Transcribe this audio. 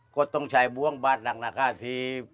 ก็ต้องใช้บ้วงบาทดังราคาที่